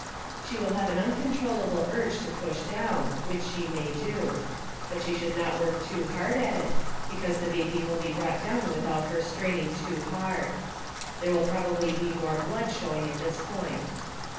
She will have an uncontrollable urge to push down, which she may do. But she should not work too hard at it because the baby will be brought down without her straining too hard. There will probably be more blood showing at this point.